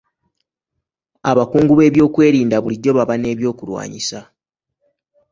Abakungu b'ebyokwerinda bulijjo baba n'ebyokulwanyisa.